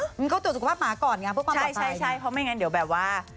มันก็ตรวจสุขภาพหมาก่อนไงเพื่อความไม่ใช่ใช่เพราะไม่งั้นเดี๋ยวแบบว่า